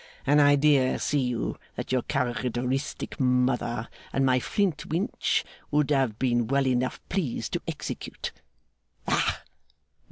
An idea, see you, that your characteristic mother and my Flintwinch would have been well enough pleased to execute. Ah!